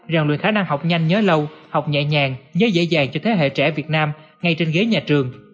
rèn luyện khả năng học nhanh nhớ lâu học nhẹ nhàng nhớ dễ dàng cho thế hệ trẻ việt nam ngay trên ghế nhà trường